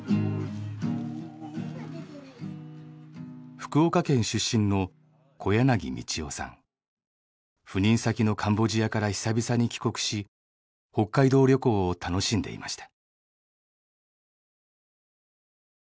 福岡県出身の赴任先のカンボジアから久々に帰国し北海道旅行を楽しんでいました。